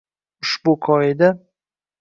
Ushbu qoida